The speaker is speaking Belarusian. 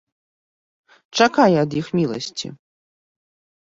Чакай ад іх міласці.